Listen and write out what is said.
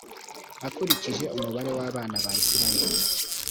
akurikije umubare w’abana ba israheli.